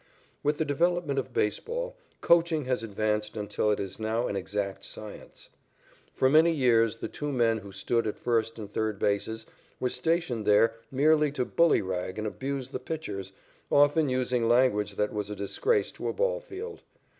With the development of baseball, coaching has advanced until it is now an exact science. For many years the two men who stood at first and third bases were stationed there merely to bullyrag and abuse the pitchers, often using language that was a disgrace to a ball field.